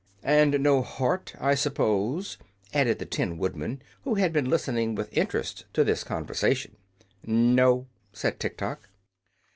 "And no heart, I suppose?" added the Tin Woodman, who had been listening with interest to this conversation. "No," said Tiktok.